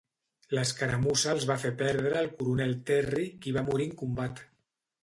L'escaramussa els va fer perdre al coronel Terry, qui va morir en combat.